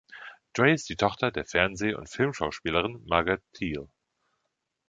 Drey ist die Tochter der Fernseh- und Filmschauspielerin Margaret Teele.